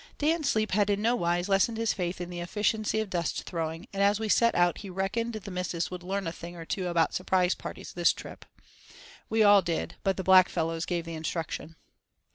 Dan's sleep had in no wise lessened his faith in the efficiency of dust throwing, and as we set out he "reckoned" the missus would "learn a thing or two about surprise parties this trip." We all did, but the black fellows gave the instruction.